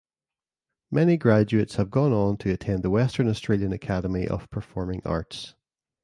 Many graduates have gone on to attend the Western Australian Academy of Performing Arts.